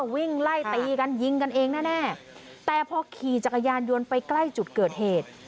วิ่งไล่ตีกันยิงกันเองแน่แต่พอขี่จักรยานยนต์ไปใกล้จุดเกิดเหตุ